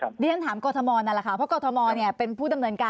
ไม่ต้องให้คุณวิราชไปตรวจสอบ